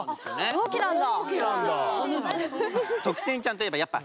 同期なんだ。